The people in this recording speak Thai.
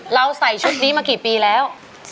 ใส่ชุดนี้มากี่ปีแล้ว